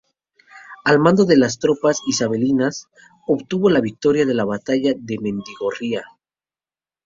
Al mando de las tropas isabelinas, obtuvo la victoria en la Batalla de Mendigorría.